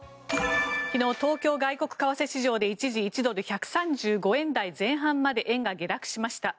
昨日、東京外国為替市場で一時１ドル＝１３５円台前半まで円が下落しました。